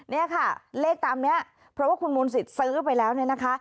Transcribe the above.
เนี่ยค่ะเลขตามนี้เพราะว่าคุณมนต์สิทธิ์ซื้อไปแล้วเนี่ยนะคะ